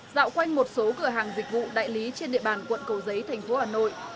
dạo quanh một số cửa hàng dịch vụ đại lý trên địa bàn quận cầu giấy thành phố hà nội